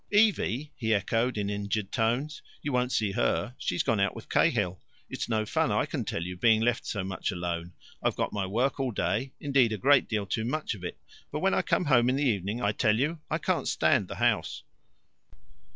"Evie!" he echoed in injured tones. "You won't see her. She's gone out with Cahill. It's no fun, I can tell you, being left so much alone. I've got my work all day indeed, a great deal too much of it but when I come home in the evening, I tell you, I can't stand the house."